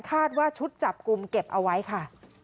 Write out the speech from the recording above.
คาดว่าชุดจับกลุ่มเก็บเอาไว้ค่ะ